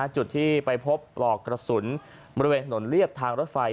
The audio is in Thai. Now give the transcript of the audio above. จุดที่ไปพบปลอกกระสุนบริเวณถนนเรียบทางรถไฟ